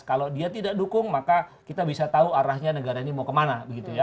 kalau dia tidak dukung maka kita bisa tahu arahnya negara ini mau kemana